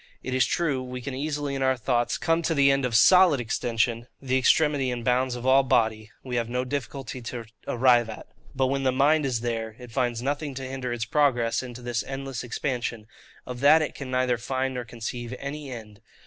It is true, we can easily in our thoughts come to the end of SOLID extension; the extremity and bounds of all body we have no difficulty to arrive at: but when the mind is there, it finds nothing to hinder its progress into this endless expansion; of that it can neither find nor conceive any end.